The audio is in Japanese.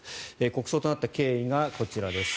国葬となった経緯がこちらです。